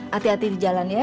hati hati di jalan ya